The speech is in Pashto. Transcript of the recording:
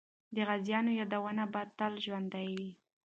د غازیانو یادونه به تل ژوندۍ وي.